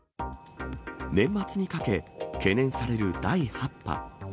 年末にかけ、懸念される第８波。